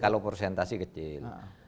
kalau persentase kecil